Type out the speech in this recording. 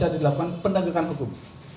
jadi delapan pendagangan hukum